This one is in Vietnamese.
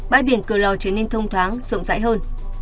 bãi biển cửa lò trở nên thông thoáng rộng rãi hơn